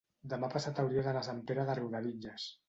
demà passat hauria d'anar a Sant Pere de Riudebitlles.